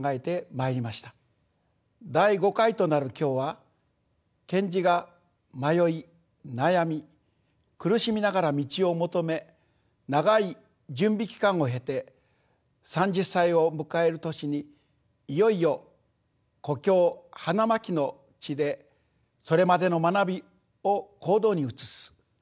第５回となる今日は賢治が迷い悩み苦しみながら道を求め長い準備期間を経て３０歳を迎える年にいよいよ故郷花巻の地でそれまでの学びを行動に移す。